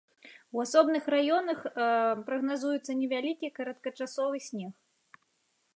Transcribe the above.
У асобных раёнах прагназуецца невялікі кароткачасовы снег.